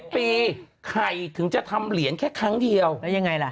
ปีไข่ถึงจะทำเหรียญแค่ครั้งเดียวแล้วยังไงล่ะ